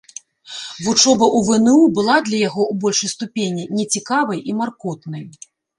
Вучоба ў вну была для яго, у большай ступені, нецікавай і маркотнай.